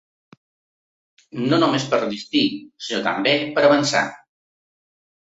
No només per resistir, sinó també per avançar.